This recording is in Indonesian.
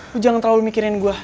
aku jangan terlalu mikirin gue